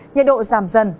nhiệt độ giảm dần